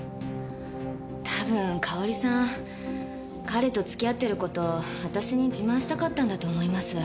彼と付き合ってる事を私に自慢したかったんだと思います。